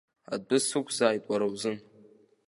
Адәы сықәзааит уара узын.